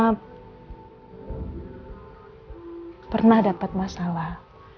tapi mama pernah dapat masalah